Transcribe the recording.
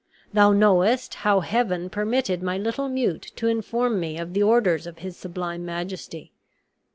Thou knowest how Heaven permitted my little mute to inform me of the orders of his sublime majesty.